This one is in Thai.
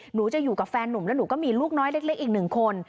หนูจะอยู่กับแฟนหนุ่มแล้วหนูก็มีลูกน้อยเล็กอีกหนึ่งคน